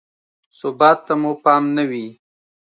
ثبات ته مو پام نه وي.